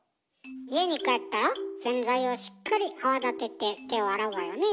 家に帰ったら洗剤をしっかり泡立てて手を洗うわよねえ。